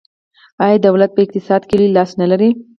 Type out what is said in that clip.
آیا دولت په اقتصاد کې لوی لاس نلري؟